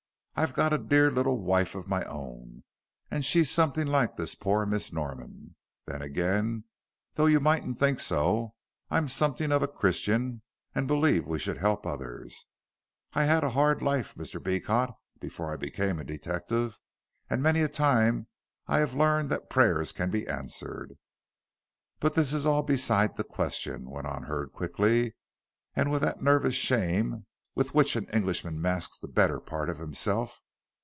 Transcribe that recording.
"I've got a dear little wife of my own, and she's something like this poor Miss Norman. Then again, though you mightn't think so, I'm something of a Christian, and believe we should help others. I had a hard life, Mr. Beecot, before I became a detective, and many a time have I learned that prayers can be answered. But this is all beside the question," went on Hurd quickly, and with that nervous shame with which an Englishman masks the better part of himself.